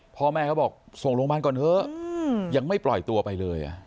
พ่อแม่เขาบอกส่งโรงพยาบาลก่อนเถอะยังไม่ปล่อยตัวไปเลย